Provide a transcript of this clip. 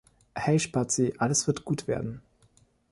Hey Spatzi alles wird gut werden.